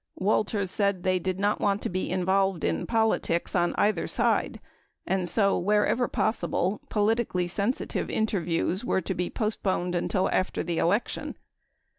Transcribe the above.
Walters said they did not want to be involved in politics on either side and so wherever possible, politically sensitive interviews were to be post poned until after the election.